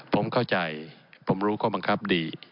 ผมเข้าใจผมรู้ข้อบังคับดี